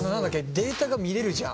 データが見れるじゃん。